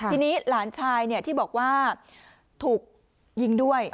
ทีนี้หลานชายที่บอกว่าถูกยิงด้วย